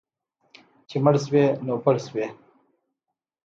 چې مړ شوې، نو پړ شوې.